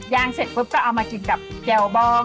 เสร็จปุ๊บก็เอามากินกับแกวบ้อง